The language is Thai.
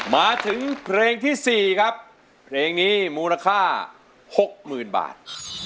มาถึงเพลงที่๔ครับเพลงนี้มูลค่า๖๐๐๐บาท